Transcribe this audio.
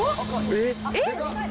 えっ